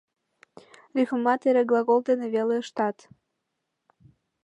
Рифмымат эре глагол дене веле ыштат.